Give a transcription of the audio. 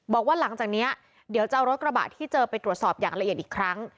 บอกว่าหลังจากนี้เดี๋ยวจะเอารถกระบะที่เจอไปตรวจสอบอย่างละเอียดอีกครั้ง